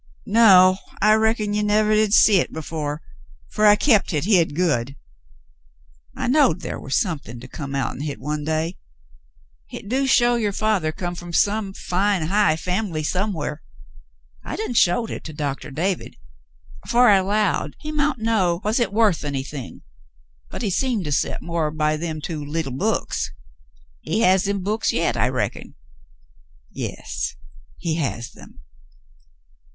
No, I reckon you nevah did see hit before, fer I've kept hit hid good. I knowed ther were somethin' to come outen hit some day. Hit do show your fathah come from some fine high fambly somewhar. I done showed hit to Doctah David, fer I 'lowed he mount know was hit wuth anything, but he seemed to set more by them two leetle books. He has them books yet, I reckon." "Yes, he has them."